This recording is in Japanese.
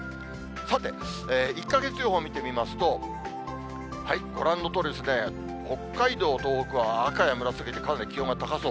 さて、１か月予報見てみますと、ご覧のとおりですね、北海道、東北は赤や紫でかなり気温が高そう。